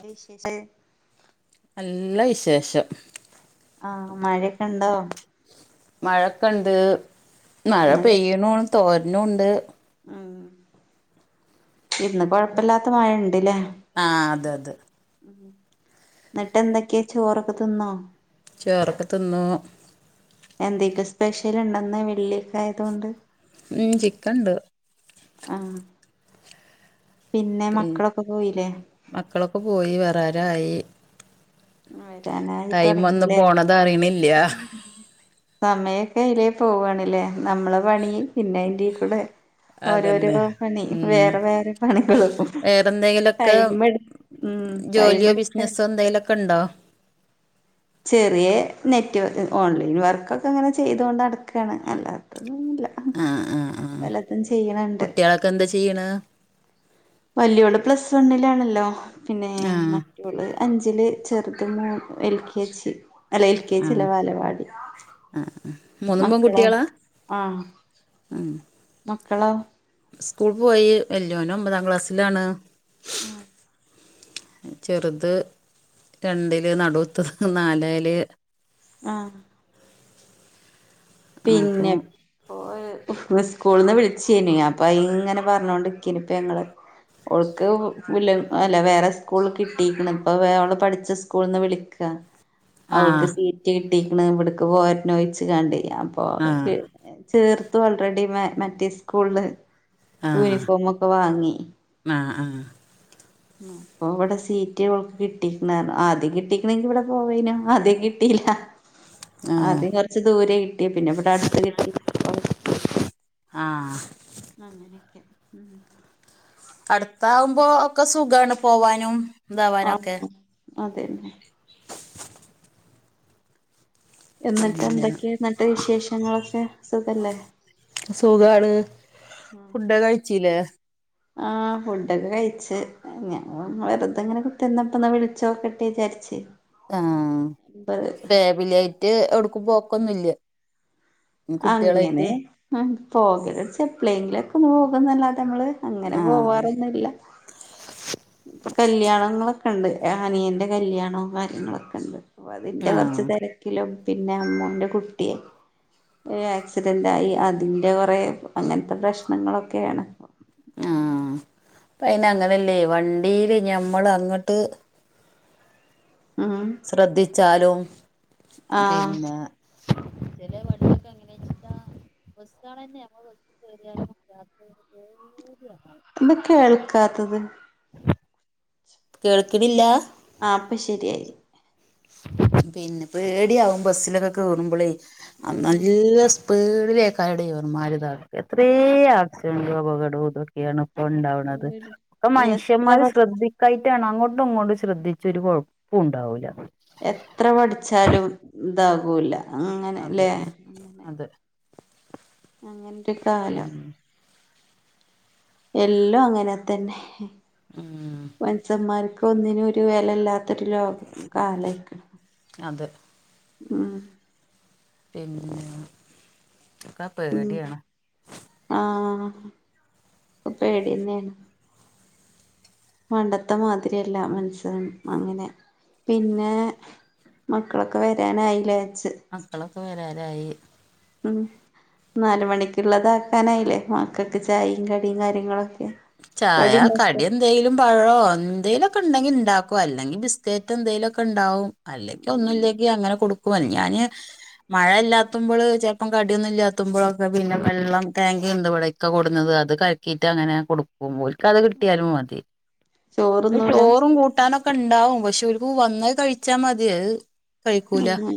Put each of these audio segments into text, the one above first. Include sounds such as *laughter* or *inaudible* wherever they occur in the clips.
*unintelligible* വിശേഷ *unintelligible* നല്ല വിശേഷം ആഹ് മഴക്കെണ്ടോ മഴക്കെണ്ട് മഴ ഇന്ന് പെയ്യ്ണു തോര്ണുണ്ട് ആഹ് ഇന്ന് കൊഴപ്പില്ലാത്ത മഴണ്ട് ല്ലേ ആഹ് അത് അത് ഉം ന്നട്ടെന്തെക്കെ ചോറൊക്കെ തിന്നോ ചോറൊക്കെ തിന്നു എന്തേക്ക് സ്പെഷ്യല്ണ്ടോന്ന് വെള്ളിക്കായതോണ്ട് ഉം ചിക്കണ്ട് ആഹ് പിന്നെ പി മക്ക്ളൊക്കെ പോയീലെ മക്കളൊക്കെ പോയി വരാരായി ആഹ്‌ വെ ടൈമൊന്നും പോണതറിണില്ല്യാ *unintelligible* സമയൊക്കെ എയ്ലേ പോവാണ് ല്ലേ നമ്മളെ പണി പിന്നെ അയ്ന്റീക്കൂടെ അതന്നെ ഓരോരോ പണി ഉം വേറെ വേറെ പണികള് ഓ വേറെന്തെങ്കിലൊക്കെ ടൈമെടു ഉം ജോലിയോ ടൈമെടുക്കാ ബിസിനസ്സോ എന്തെങ്കിലൊക്കെ ഉണ്ടോ ചെറിയെ നെറ്റ് ഓൺലൈൻ വർക്കൊക്ക അങ്ങന ചെയ്തു കൊണ്ട് നടക്കാണ് അല്ലാ ന്നുല്ല ആഹ് വല്ലതും ചെയ്യണണ്ട് ക്കെന്താ ചെയ്യണ് വല്യോള് പ്ലസ് വണ്ണിലാണല്ലോ പിന്നെ ആഹ് മ ഇവള് അഞ്ചില് ചെറുത് മൂ എൽ കെ ജി അല്ല എൽ കെ ജിയല്ല ബാലവാടി ആഹ് മൂന്നും മക്കളോ പെൺകുട്ടികളാ ഉം മക്കളാ സ്കൂൾ പോയി വല്യോനൊമ്പതാം ക്ലാസ്സിലാണ് ആഹ് ചെറുത് രണ്ടില് നടുവത്തത് നാലായില് ആഹ്‌ അപ്പൊ പിന്നെ ഓ സ്കൂളിന്ന് വിളിച്ചേനി അപ്പ ഇങ്ങനെ പറഞ്ഞോണ്ട് ഇക്കേന് ഇപ്പ ഞങ്ങള് ഓൾക്ക് വില്ല അല്ല വേറെ സ്കൂള് കിട്ടീക്കിണ് ഇപ്പം വേ അവള് പഠിച്ച സ്കൂള്ന്ന് വിളിക്ക അവൾക്ക് ആഹ് സീറ്റ് കിട്ടീക്ക്ണ് ഇവിട്ക്ക് പോരനൊഴിച്ച് കാണ്ടെ അപ്പൊ ആഹ് ചേർത്തു ഓൾറെഡി മ മറ്റേ സ്കൂളില് ആഹ് യൂണിഫോമൊക്ക വാങ്ങി ആഹ് ആഹ് അപ്പൊ ഇവിടെ സീറ്റ് ഇവൾ കിട്ടീക്ക്ണ് ആദ്യം കിട്ടീക്കണെങ്കി ഇവിടെ പോവേനു ആദ്യം കിട്ടിയില്ല ആഹ് ആദ്യം കൊറച്ച് ദൂരേ കിട്ടിയ പിന്നെ ഇവിടെ അടുത്ത് കിട്ടി പ്പോ ആഹ് അങ്ങനെയൊക്കെ ഉം അടുത്താവുമ്പോ ഒക്ക സുഖാണ് പോവാനും ഇതാവാനൊക്കെ ആഹ്‌ അതെന്നെ എന്നിട്ട് പിന്നെ എന്തൊക്കെയാ എന്നിട്ട് വിശേഷങ്ങളൊക്കെ സുഖല്ലേ? സുഖാണ് ഫുഡ് കഴിച്ചീല്ലേ ആഹ്‌ ഫുഡൊക്ക കഴിച്ച് ഞാൻ വെറുതെങ്ങനെ കുത്തിർന്നപ്പന്നാ വിളിച്ചോക്കട്ടെ വിചാരിച്ച് ആഹ്‌ ഫാമിലിയായിട്ട് എവിടക്കും പോക്കൊന്നുയില്ലേ? അങ്ങനെ ആഹ് പോകലുവച്ച പ്ലെയിനിലൊക്ക പോകോന്നല്ലാതെ നമ്മള് അങ്ങനെ ആഹ് പോവാറൊന്നുല്ല ഇപ്പൊ കല്യാണങ്ങളൊക്ക ഒണ്ട് ആഹ് ആനിയന്റെ കല്യാണോം കാര്യങ്ങളൊക്കണ്ട് അതിന്റെ കൊറച്ച് ആഹ് തെരക്കിലും പിന്നെ അമ്മൂന്റെ കുട്ടിയെ ഏഹ് ആക്സിഡന്റായി അതിൻ്റ കൊറേ അങ്ങനത്ത പ്രശ്നങ്ങളൊക്കെയാണ് ആഹ്‌ പ്പയിനഅങ്ങനല്ലേ വണ്ടീല് ഞമ്മളങ്ങട്ട് ഉം ശ്രദ്ധിച്ചാലും ആഹ് പിന്ന ചെല വണ്ടീക്കങ്ങ ബസ്സാ ബസ്സാണേന്നെ ഞമ്മള് ബസ്സികേറിയാലും രാത്രി പേടി ആവും, എന്താ കേൾക്കാത്തത് കേൾക്കണില്ലാ ആപ്പ ശരിയായി പിന്നെ പേടിയാവും ബസ്സിലൊക്ക കേറുമ്പളേ ആഹ് ഉം നല്ല സ് ടിലേക്കാരുടെ ഇവന്മാര് ഇതാക്ക എത്രേ ആക്സിഡന്റും അപകടോം ഇതൊക്കെയാണ് ഒണ്ടാവണത് ഒരു പ്പ എത്ര മനുഷ്യന്മാര് പഠി ശ്രദ്ധിക് ക്കായിട്ടാണ് അങ്ങോട്ടും ഇങ്ങോട്ടും ശ്രദ്ധിച്ചാ ഒരു കൊഴപ്പുംണ്ടാവൂലാ എത്ര പഠിച്ചാലും ഇതാവുല്ല അതെ അതെ അങ്ങതെ കാലം പിന്നെ എല്ലോം അങ്ങനെ തന്നെ *unintelligible* മനുഷ്യൻമാർക്ക് ഒന്നിനും ഒരു വെലല്ലാത്തൊരു ലോക കാലയിക്കണ് അതെ ഹും പിന്നെക്കപേടിയാണ്. അഹ് പ്പപേടിന്നെയാണ് പണ്ടത്തെ മാതിരിയല്ല മനുഷ്യൻ അങ്ങനെ പിന്നെ മക്കളൊക്കെ വരാനായില്ലേ? ച്ച് മക്കളൊക്കെ വരാരായി. ഉും നാല് മണിക്കുള്ളത് ആക്കാനായില്ലേ? മക്കക്ക് ചായും കടിയും കാര്യങ്ങളൊക്കെ ചായ കടിണ്ടാക്കോ കടിയെ എന്തേലും പഴോ എന്തെലുക്കെണ്ടെങ്കിണ്ടാക്കോ അല്ലെങ്കിൽ ബിസ്ക്കറ്റ് എന്തെലുക്കെണ്ടാവും ഉം അല്ലെപ്പഒന്നുല്ലെങ്കി അങ്ങനെ കൊടുക്കും അൽഞാന് മഴ ഇല്ലാത്തുബോള് ചെൽപ്പം കടിയൊന്നും ഇല്ലാത്തുമ്പോഴൊക്കെ പിന്നെ വെള്ളം ടാങ്ങ്ണ്ടിവിടെ ഇക്ക കൊട്ന്നത് അത് കലക്കിട്ട് അങ്ങനെ കൊടുക്കും ഓൽക്കത് കിട്ടിയാലും മതി. ഈ ചോറൊന്നുല്ല ചോറും കൂട്ടാനൊക്കെ കണ്ടാവും പക്ഷെ ഓൽക് വന്നത് കഴിച്ചാൽ മതി അത് കഴിക്കൂല അന്നെ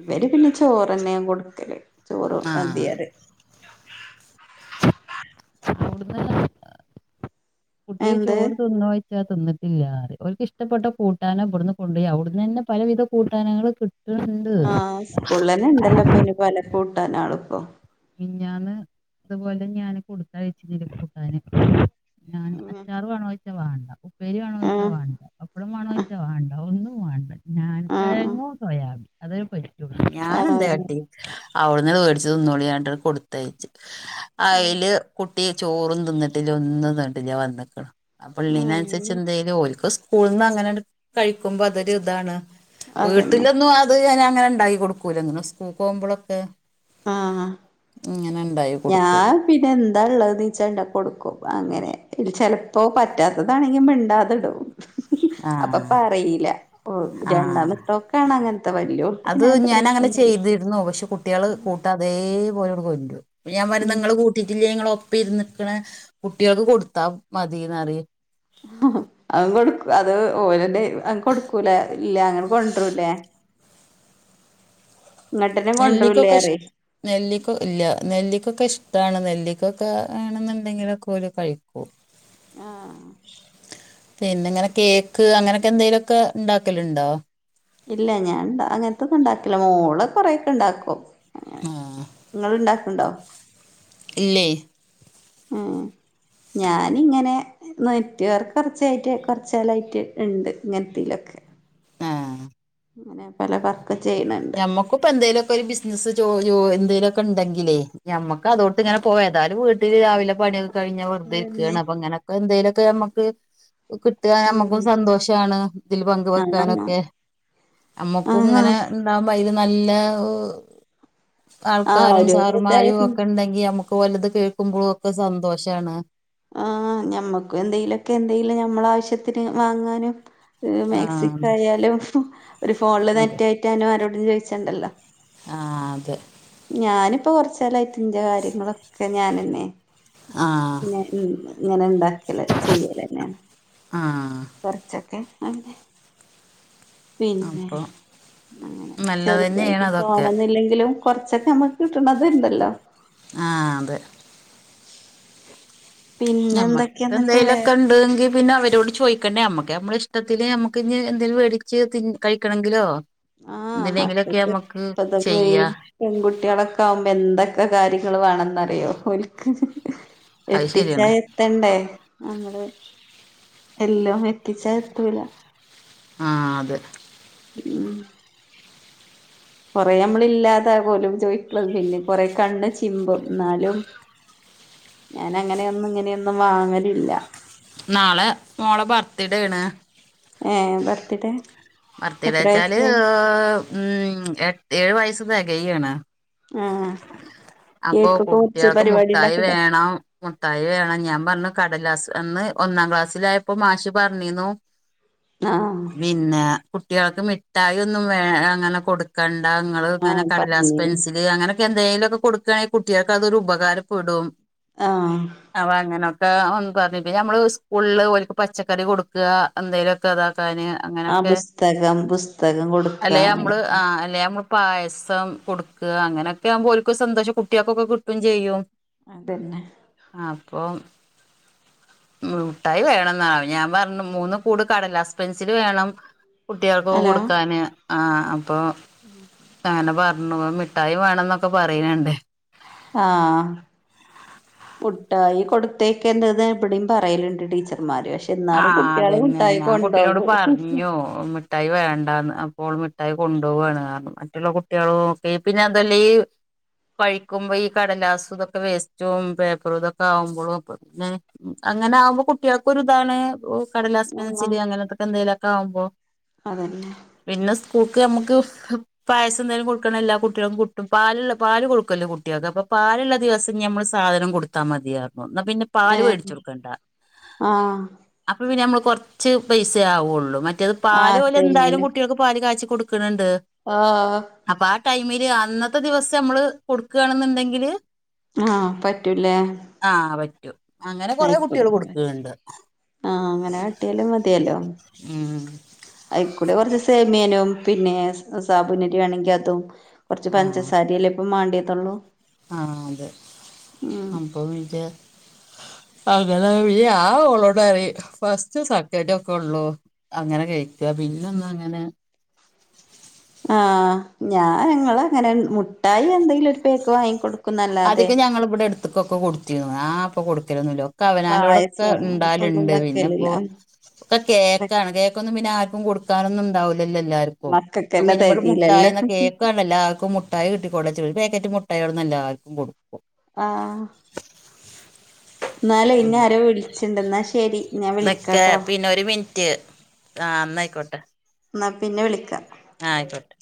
ഇവര് പിന്നെ ചോറ്ന്നെ ഞാൻ കൊട്ക്കല് ചോറ് ആഹ് മതിയറിം *unintelligible* കുട്ടി എന്ത് ചോറ് തിന്നൊയി ഇല്ല തിന്നിട്ടില്ലാറിം ഓർക്ക് ഇഷ്ടപ്പെട്ട കൂട്ടാനം ഇപട്ന്ന് കൊണ്ടോയി ഔട്ന്നെനെ പലവിധ കൂട്ടാനങ്ങള് കിട്ട് ആഹ് സ്കൂള്ന്നെ ഇണ്ടല്ലോപ്പൊ അയിന് പലെ കൂട്ടാനാളിപ്പൊ മിഞാന്ന് ഇതുപോലെ ഞാന് കൊടുത്തയിച്ചിരുന്നു കൂട്ടാന് ഞാൻ ഉം അച്ചാറ് വാണോയ്ച്ച വാണ്ട ഉപ്പേരി വാണോയ്ച്ച ആഹ് വാൻണ്ട പപ്പടം വാണോയ്ച്ച വാണ്ട ഒന്നുംവാണ്ട ഞാൻ ആഹ് കിഴങ്ങും സോയാബീനും ഞാൻ ആഹ് എന്തെകാട്ടി അവ്ട്ന്ന് വെട്ച്ച്തിന്നോളിറഞ്ഞിട്ട് കൊടുത്തയച്ചു അയില് കുട്ടി ചോറും തിന്നിട്ടില്ല ഒന്നും തിന്നിട്ടില്ല വന്നക്ക്ണ് അപള്ളിന് അനുസരിച്ച് ആഹ് എന്തേലും ഓല്ക് സ്കൂൾന്ന് അങ്ങനെ കഴിക്കുമ്പോ അതൊരു ഇതാണ് അതന്നെ വീട്ടിലൊന്നും അത് ഞാൻ അങ്ങനെ ഉണ്ടാക്കി കൊടുക്കൂലങ്ങനെ സ്കൂൾ പോവുമ്പോഴൊക്കെ അഹ് ആഹ് ഇങ്ങനെണ്ടാക്കി കൊടുക്കും ഞാൻ പിന്നെ എന്താ ഉള്ളതീച്ചണ്ടാകി കൊട്ക്കും അങ്ങനെ ഇൽ ചിലപ്പോൾ പറ്റാത്തതാണെങ്കിൽ മിണ്ടാതെടും *unintelligible* ഹി ഹി അപ്പൊ ആഹ് പറയില്ലാ ഓ ആഹ് രണ്ടാമതോക്കാണ് അങ്ങനത്തെ വല്യോ അത് ഞാൻ അങ്ങനെ ചെയ്തിരുന്നു. പക്ഷെ കുട്ടികള് കൂട്ടാൻ അതേപോലെങ്ങട്ട്കോൺടും ഞാൻ പറിം ഉം നങ്ങള് കൂട്ടിട്ടിലെ ഇങ്ങള് ഒപ്പിരിക്കണേ കുട്ടികൾക്ക് കൊടുത്താ മതിന്ന്പറിം ഹി ഹെ അത് കൊടുക്കും അത് ഓലന്റെ അത് കൊടുക്കൂലെ ഇല്ല അങ്ങനെ കൊണ്ടരുലേ കൊണ്ടരൂലേ നെല്ലിക്കൊക്കെ ഇഷ് പറയും നെല്ലിക്ക ഇല്ല നെല്ലിക്കൊക്കെ ഇഷ്ട്ടാണ് നെല്ലിക്കൊക്കെ ആണെന്നുണ്ടെങ്കിലൊക്കെ ഓര് കഴിക്കൂ ആ പിന്നെ ഇങ്ങനെ കേക്ക് അങ്ങനൊക്കെ എന്തേലു ഒക്ക ഇണ്ടാക്കല്ണ്ടോ ഇല്ല ഞാൻ അങ്ങൻത്തൊന്ന് ഇണ്ടാക്കൽല്ല മോള് കോറെക്കെ ഇണ്ടാക്കും ആഹ് ഇങ്ങള് ഇണ്ടാക്ക്ണ്ടോ ഇല്ലയ് ഉം ഞാനിങ്ങനെ നെറ്റ് വർക്ക് കൊർച്ചായിട്ട് കൊർച് കാലായിട്ട് ഇണ്ട് ഇങ്ങൻത്തെലൊക്കെ ആഹ് അങ്ങനെ പല വർക്ക് ചെയ്യ്ണ് ണ്ട് ഇപ്പൊ എന്തേലോക്കെ ഒര് ബിസ്നസ് ജോ ജോ എന്തേലൊക്കെ ഇണ്ടെങ്കിലേ ഞമ്മക്ക് അതോട്ട്ങ്ങനെ പോ എതാലും വീ ട്ടില് രാവിലെ പണിയൊക്ക കഴിഞ്ഞാ അതന്നെ വെർതെര്കാണ് അപ്പൊ ഇങ്ങനൊക്കെ എന്തേലോക്കെ ഞമ്മ്ക്ക് കിട്ടാ ഉം നമ്മക്കും സന്തോഷാണ് ഇതില് പങ്ക് ആഹ് വെക്കാനൊക്കെ അമ്മക്കും ആഹ് ഇങ്ങനെ ണ്ടുവുമ്പ അയില് നല്ല ആഹ് ആൾക്കാരും ഒരു സാറുമാരും ഇതായിരുന്നു. ഒക്ക ഇണ്ടെങ്കി നമ്മ ക്ക് ഓലത് കേൾക്കുമ്പോളൊക്കെ സന്തോഷാണ് ആ ഞമ്മക്ക് എന്തേലൊക്കെ എന്തെലും ഞമ്മള ആവശ്യത്തിന് വാങ്ങാനും ഒര് ആ മെക്സിക്ക ആയാലും ഒരു ഫോൺല് അതെ അതെ നെറ്റെറ്റാനും ആരോടും ചോഴിച്ചണ്ടല്ലോ ആ അതെ ഞാന് ഇപ്പോ കൊർച്ചാലായിട്ട് ഇന്റെ കാര്യങ്ങളൊക്കെ ഞാനെന്നെ ആ ഇങ്ങനെ ഇണ്ടാക്കല് ചെയ്യലെന്നെണ് ആ കൊർച്ചൊക്കെ അങ്ങനെ പിന്നെ അപ്പൊ അങ്ങനെ നല്ലത് തന്നെയാണ് ചെർതായിട്ട് അതൊക്കെ തോനന്നില്ലെങ്കിലും കൊർച്ചൊക്കെ നമ്മക്ക് കിട്ട്ണത് ഇണ്ടല്ലോ ആ അതെ പിന്നെ ഞമ്മക്ക് എന്തൊക്കെയാ എന്നിട്ട് വേറെ എന്തേലോക്കെ ഇണ്ട് ങ്കി പിന്നെ അവരോട് ചോഴി ക്കണ്ടേ അമ്മക്ക് നമ്മള ഇഷ്ടത്തിന് ഞമ്മുക്ക് ഇഞ് എന്തേലും വേടിച്ച് തി കഴിക്കണങ്കിലോ ആ മക്കൾക്ക് ഇപ്പ ചെയ്യാ *unintelligible* പെൺകുട്ടിയളൊക്ക ആവുമ്പേ എന്തേക്കെ കാര്യങ്ങള് വാണെന്നറിയോ ഓൽക്ക് അത് എത്തിച്ചാ ശരിയാണ് എ ത്തണ്ടേ നമ്മള് എല്ലം എത്തിച്ചാ എത്തൂല ആ അതെ ഉം കൊറെ നമ്മള് ഇല്ലാതാ പോലും ചോയിക്ക്ണത് പിന്നെ കൊറെ കണ്ണ് ചിമ്പും ന്നാലും ഞാന അങ്ങനെയൊന്നും ഇങ്ങനെയൊന്നും വാങ്ങലില്ല നാളെ മോള ബർത്തിഡേ ആണ് ഏ ബർത്തിഡേ ബർത്തി ഡേ ച്ചാല് ഉം എ ഏഴ് വയസ്സ് തെകയാണ് ആഹ് അപ്പൊ കേക്കൊക്കെ മുറിച്ച് കുട്ടിയെൾക്ക് പരിപാടി മുട്ടായി ഉണ്ടാക്ക്ണ്ടോ വേണം മുട്ടായി വേണം ഞാൻ പർഞ്ഞു കടലാസ് അന്ന് ഒന്നാം ക്ലാസ്സിലായപ്പോ മാഷ് പർഞീന്നു ആ പിന്നെ കുട്ടിയെൾക്ക് മിഠായി ഒന്നും വേ അങ്ങനെ കൊട് ക്കണ്ട ഇങ്ങള് ഇങ്ങനെ ആഹ് കടലാസ് പറഞ്ഞീനി പെൻസില് അങ്ങനെ എന്തേയിലൊക്കെ കൊടുക്കാണെങ്കി കുട്ടിയാക്ക് അതൊരു ഉപകാരപ്പെടും ആഹ് അപ്പ അങ്ങനൊക്കെ വന്ന് പറഞ്ഞു പിന്നെ ഞമ്മള് സ്കൂൾല് ഓൽക്ക് പച്ചക്കറി കൊട്ക്ക എന്തേലൊക്കെ ഇതാക്കാന് ആ അങ്ങനൊക്കെ പുസ്തകം പുസ്തകം കൊട് അല്ലെ അമ്മള് ആ അല്ലെ അമ്മള് പായസം കൊട്ക്ക അങ്ങനെയൊക്കെ ആവുമ്പോ ഓൽക്ക് സന്തോഷം കുട്ടിയാക്കൊക്കെ കിട്ടും ചെയ്യും അതന്നെ ആപ്പൊ മൂട്ടായി വേണം എന്നാ ഞാൻ പർഞ്ഞു മൂന്ന് കൂട് കടലാസ്പെൻസിൽ വേണം. കുട്ടിയാൾക്കൊക്കെ ഹലോ കൊടുക്കാന് ആ അപ്പൊ അങ്ങനെ പർണു മിഠായി വേണന്നൊക്കെ പറീണ് ണ്ട്. ആഹ് മുട്ടായി കൊടുത്തേക്കെര്ത് ന്ന് ഇബടിം പറേയ്ല്ണ്ട് ടീച്ചർമാര് പക്ഷെ ആ ഇന്നാലും കുട്ടിയാള് അതന്നെ മുട്ടായി ഞാൻ കുട്ടീനോട് കൊണ്ടോകും. പറഞ്ഞു മിഠായി വേണ്ടാന്ന് അപ്പോള് മിഠായി കൊണ്ടോവാണ് അർഞ്ഞു. മറ്റുള്ള കുട്ടിയാളും ഒക്കെ ഈ പിന്നെ അതുവല്ല ഈ കഴിക്കുമ്പോ ഈ കടലാസ് ഇതൊക്കെ വേസ്റ്റും പേപ്പറും ഇതൊക്കെ ആകുമ്പളും അപ്പോ പിന്നെ അങ്ങനെ ആകുമ്പോ കുട്ടിയാക്കൊരു താണ് കടലാസ് ആഹ് പെൻസില് അങ്ങനത്തൊക്കെ എന്തെലൊക്കെ ആവുമ്പോ അതന്നെ പിന്നെ സ്കൂക്ക് അമ്മക്ക് പായസം എന്തേലും കൊട്ക്കണം എല്ലാ കുട്ടിയാക്കും കുട്ടും പാല്ള്ള പാല് കൊടുക്കല്ലോ കുട്ടിയാക്ക് അപ്പൊ പാല്ള്ള ദിവസം ഇഞ് ഞമ്മള് സ് സാധനം കൊടുത്താ മതിയാർഞ്ഞു ഇന്നാ പിന്നെ പാല് ഏഹ് മേടിച്ചു കൊടുക്കണ്ട ആഹ് അപ്പൊ പിന്നെ ഞമ്മള് കൊർച്ച് പൈസേ ആവൊള്ളു മറ്റേത് പാല് ആഹ് ഓലെന്തായാലും പിന്നേന് കുട്ടിയാക്ക് പാല് കാച്ചി കൊടുക്ക്ണ് ണ്ട്. ആഹ് അപ്പ ആഹ് ടൈമില് അന്നത്തെ ദിവസം അമ്മള് കൊടുക്കാണ്ന്ന് ഇണ്ടെങ്കില് ആഹ് പറ്റും ലേ ആ പറ്റും അങ്ങനെ കൊറെ ആയിക്കോട്ടെ കുട്ടികൾ കൊടുക്കുന്നുണ്ട് ആഹ് അങ്ങനെ കാട്ടിയാലും മതിയേലൊ. ഉം അയിക്കൂടെ കൊറച്ച് സേമിയേനും പിന്നെ സാബുനരി വേണെങ്കി അതും കൊർച്ച് ആ പഞ്ചസാരിയല്ലേ ഇപ്പ മാണ്ടിയേതൊള്ളൂ. ആഹ് അതെ അപ്പൊ *inaudible* അങ്ങനെ ഞാൻ ഓളോട് പറിം ഫസ്റ്റും, സക്കന്റു ‌ ഒക്കൊ ഒള്ളു അങ്ങനെ കഴിക്ക പിന്നൊന്നും അങ്ങനെ ആഹ് ഞാ ഞങ്ങളങ്ങനെ മുട്ടായി എന്തെങ്കിലു ഒരു പേക്ക് വാങ്ങിക്കൊടു ആദ്യെക്കെ ഞങ്ങള് ഇവിടെ എട്ത്ത്ക്കൊക്കെ കൊടുത്തീനു ഞാപ്പ കൊടുക്കലൊന്നുല്ല. ക്ക അവനാന്റോടൊക്ക പായസം ഒന്നും ഇണ്ടാവല്ണ്ട് പിന്നെ വെക്കലില്ല ഇപ്പോ ഒക്കെ കേക്കാണ് കേ ക്കൊന്നും പിന്നാർക്കും കൊടുക്കാനൊന്നുംണ്ടാവില്ലല്ലോ എല്ലാർ കും മക്കക്കന്നെ പിന്നെ ഇവിടെ തെകയില്ലല്ലോ മുട്ടായിന്ന കേക്കാണ് എല്ലാർക്കും മു മുട്ടായി കിട്ടിക്കൊട്ടേച്ചിട്ട് ഒരു പേക്കറ്റ് മുട്ടായിയൊട്ന്ന് എല്ലാർക്കും കൊടുക്കും. ആഹ് എന്നാലേ ഉം ഇന്നെ ആരോ വിളിച്ചിണ്ട് എന്നാ ശരി ഞാൻ നിക്ക് വിളിക്കാട്ടോ പിന്നെ ഒരു മിൻറ്റ്. ആഹ് ന്നയ്ക്കോട്ടെ ന്നാ പിന്നെ വിളിക്കാ ആഹ് ആയ്ക്കോട്ടെ